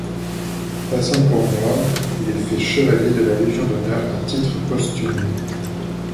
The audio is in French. Passant pour mort, il est fait Chevalier de la Légion d'honneur à titre posthume.